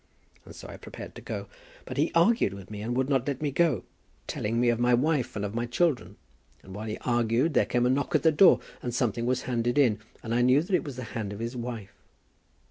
And so I prepared to go. But he argued with me, and would not let me go, telling me of my wife and of my children, and while he argued there came a knock at the door, and something was handed in, and I knew that it was the hand of his wife."